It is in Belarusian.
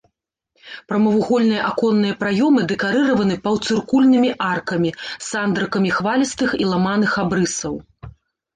Прамавугольныя аконныя праёмы дэкарыраваны паўцыркульнымі аркамі, сандрыкамі хвалістых і ламаных абрысаў.